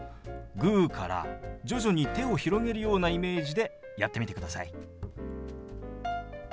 グーから徐々に手を広げるようなイメージでやってみてください。